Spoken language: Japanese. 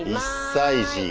１歳児。